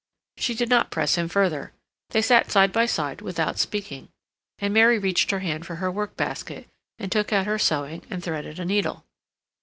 She did not press him further. They sat side by side without speaking, and Mary reached her hand for her work basket, and took out her sewing and threaded a needle.